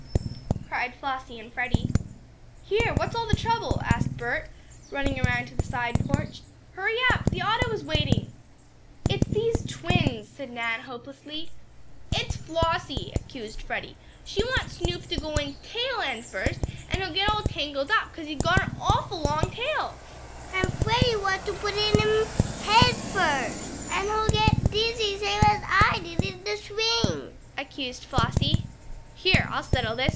cried Flossie and Freddie. "Here! What's all the trouble?" asked Bert, running around to the side porch. "Hurry up! The auto is waiting." "It's these twins!" said Nan, hopelessly. "It's Flossie!" accused Freddie. "She wants Snoop to go in tail end first, and he'll get all tangled up, 'cause he's got an awful long tail." "And Freddie wants to put him in head first, and he'll get dizzy same as I did in the swing!" accused Flossie. "Here! I'll settle this!"